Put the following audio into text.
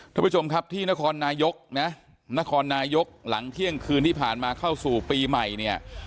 ท่านผู้ชมครับที่นครนายกนะนครนายกหลังเที่ยงคืนที่ผ่านมาเข้าสู่ปีใหม่เนี่ย